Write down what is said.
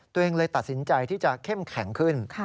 ตัวเองเลยตัดสินใจที่จะเข้มแข็งขึ้น